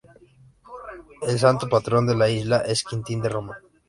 El Santo Patrón de la isla es Quintín de Roma.